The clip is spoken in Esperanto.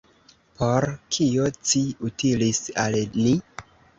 Por kio ci utilis al ni?